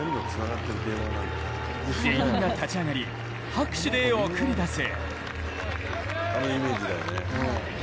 全員が立ち上がり、拍手で送り出す。